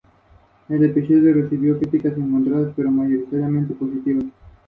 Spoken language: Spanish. Su próximo destino fue Europa.